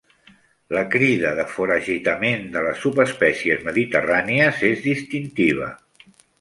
La crida de foragitament de les subespècies mediterrànies és distintiva.